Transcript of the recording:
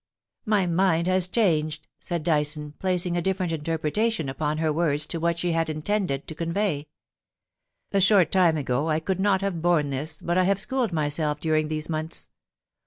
* My mind has changed,' said Dyson, placing a different interpretation upon her words to that which she intended to convey. * A short time ago I could not have borne this, but I have schooled myself during these months.